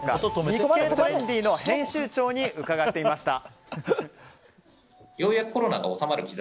日経トレンディの編集長に伺ってみました。